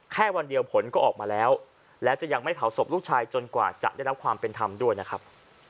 แค่วันเดียวผลก็ออกมาแล้วและจะยังไม่เผาศพลูกชายจนกว่าจะได้รับความเป็นธรรมด้วยนะครับ